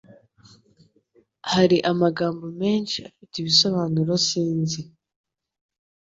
Hariho amagambo menshi afite ibisobanuro Sinzi